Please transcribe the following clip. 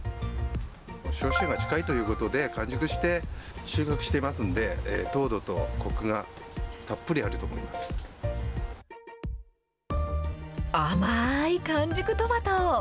消費地が近いということで、完熟して収穫していますので、糖度とこくがたっぷりあると思いま甘い完熟トマト。